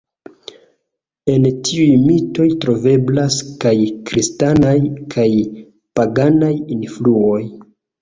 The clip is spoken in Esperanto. En tiuj mitoj troveblas kaj kristanaj kaj paganaj influoj.